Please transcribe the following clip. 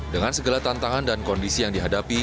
dengan segala tantangan dan kondisi yang dihadapi